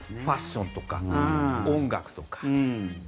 ファッションとか音楽とか。